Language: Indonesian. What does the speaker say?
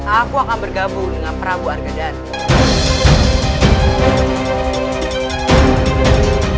aku akan bergabung dengan prabu arkadani